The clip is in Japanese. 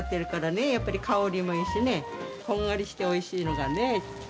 やっぱり香りもいいしねこんがりしておいしいのがね。